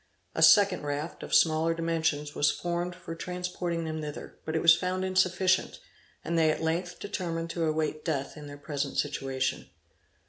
A second raft, of smaller dimensions, was formed for transporting them thither: but it was found insufficient, and they at length determined to await death in their present situation.